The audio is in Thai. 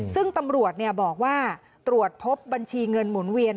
ซึ่งตำรวจบอกว่าตรวจพบบัญชีเงินหมุนเวียน